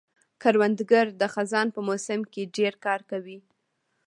کروندګر د خزان په موسم کې ډېر کار کوي